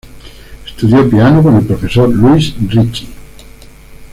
Estudió piano con el profesor Luis Ricci.